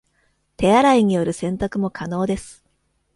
手洗いによる洗濯も可能です